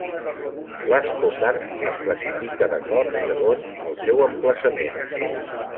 L'ascocarp es classifica d'acord segons el seu emplaçament.